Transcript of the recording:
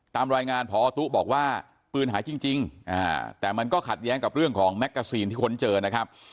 ตามรายงานพอตู้บอกว่าปืนหายจริงแต่มันก็ขัดแย้งกับเรื่องของแมกกาซีนที่ค้นเจอนะครับ